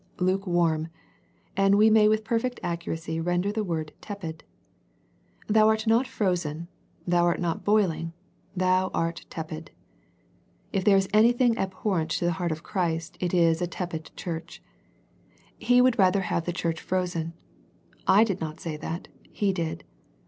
Lukewarm, and we may with perfect accuracy render the word tepid. Thou art not frozen, thou art not boil ing, thou art tepid. If there is anything ab horrent to the heart of Christ it is a tepid church. He would rather have the church frozen. I did not say that. He did.